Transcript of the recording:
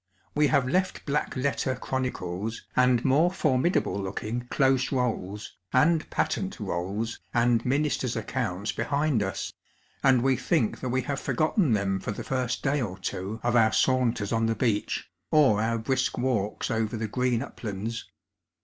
We have left black letter chronicles and more formidable looking Close KoUs, and Patent Rolls, and Ministers' Accounts behind us, and we think that we have forgotten them for the first day or two of our saunters on the beach » or our brisk walks over the green uplands.